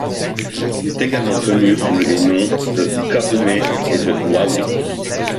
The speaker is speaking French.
Il est également connu sous les noms de Karume et de Wawi.